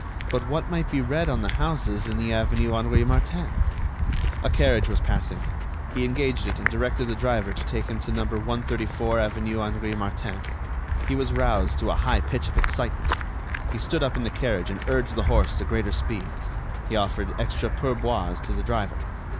But what might be read on the houses in the avenue Henri Martin? A carriage was passing. He engaged it and directed the driver to take him to No. 134 avenue Henri Martin. He was roused to a high pitch of excitement. He stood up in the carriage and urged the horse to greater speed. He offered extra pourboires to the driver.